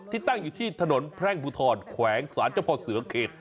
ตั้งอยู่ที่ถนนแพร่งภูทรแขวงศาลเจ้าพ่อเสือเขต